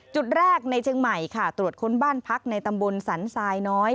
จุดแรกในเชียงใหม่ค่ะตรวจค้นบ้านพักในตำบลสันทรายน้อย